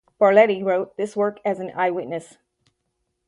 Barleti wrote this work as an eyewitness.